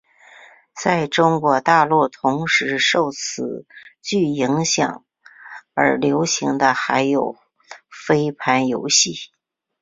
在中国大陆同时受此剧影响而流行的还有飞盘游戏。